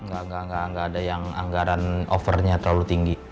gak ada yang anggaran offernya terlalu tinggi